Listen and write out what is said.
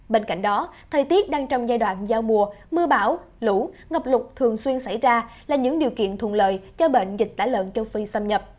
bên cạnh đó thời tiết đang trong giai đoạn giao mùa mưa bão lũ ngập lụt thường xuyên xảy ra là những điều kiện thuận lợi cho bệnh dịch tả lợn châu phi xâm nhập